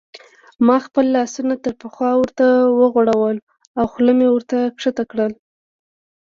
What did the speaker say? ما خپل لاسونه تر پخوا ورته وغوړول او خوله مې ورته کښته کړل.